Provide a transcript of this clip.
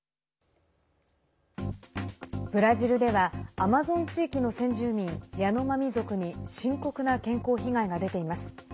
ブラジルではアマゾン地域の先住民、ヤノマミ族に深刻な健康被害が出ています。